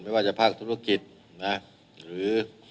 ไม่ว่าทุกภาคธุรกิจรึ